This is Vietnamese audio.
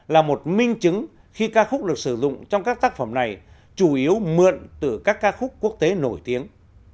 là một minh chứng khi ca khúc được sử dụng trong các tác phẩm này chủ yếu mượn từ các ca khúc quốc tế nổi tiếng